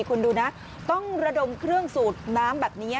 คุณดูนะต้องระดมเครื่องสูดน้ำแบบนี้